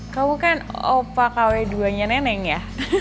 kamu kan opa kaweduanya neneng ya